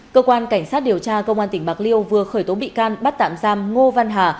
cơ quan cảnh sát điều tra công an tỉnh bạc liêu vừa khởi tố bị can bắt tạm giam ngô văn hà